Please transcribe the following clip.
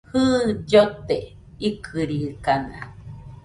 Jɨ, llote ikɨrikana